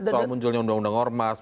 soal munculnya undang undang ormas